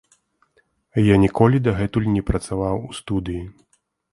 Я ніколі дагэтуль не працаваў у студыі.